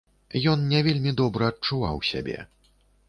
Ён не вельмі добра адчуваў сябе.